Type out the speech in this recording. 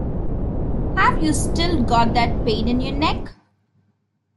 Have you still got that pain in your neck?